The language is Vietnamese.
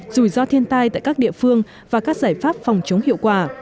dù do thiên tai tại các địa phương và các giải pháp phòng chống hiệu quả